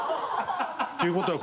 という事は。